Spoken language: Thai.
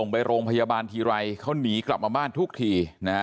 ไปโรงพยาบาลทีไรเขาหนีกลับมาบ้านทุกที